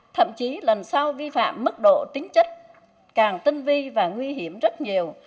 thậm chí lần sau vi phạm mức độ tính chất càng tinh vi và nguy hiểm rất nhiều